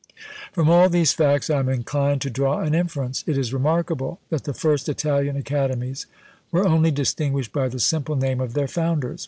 From all these facts I am inclined to draw an inference. It is remarkable that the first Italian academies were only distinguished by the simple name of their founders.